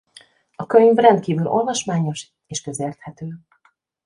A könyv rendkívül olvasmányos és közérthető.